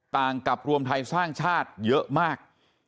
ต่างกับรวมไทยสร้างชาติเยอะมาก